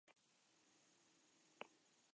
Modalitatean bigarren lerroko moduan aritzen zena.